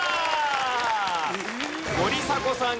森迫さん